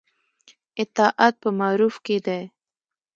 اطاعت په معروف کې دی